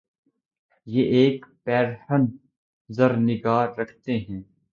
یہ ایک پیر ہنِ زر نگار رکھتے ہیں